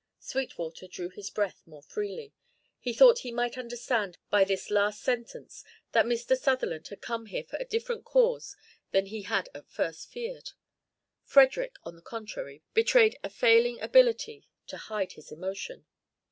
Sweetwater drew his breath more freely. He thought he might understand by this last sentence that Mr. Sutherland had come here for a different cause than he had at first feared. Frederick, on the contrary, betrayed a failing ability to hide his emotion.